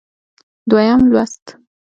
دویم لوست